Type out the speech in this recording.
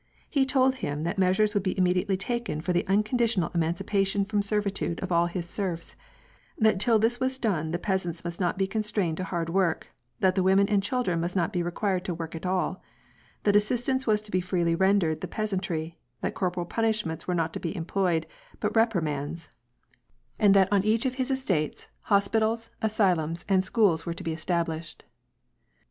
He told them that meas ures would be immediately taken for the unconditional emanci pation from servitude of all his serfs, that till this were done the peasants must not be constrained to hard work, that the women and children must not be required to work at all ; that assis tance was to be freely rendered the peasantry ; that corporal piuiishments were not to be employed, but reprimands f and WAR AND PEACE. 108 that on each of his estates, hospitals, asylums, and schools were to be established.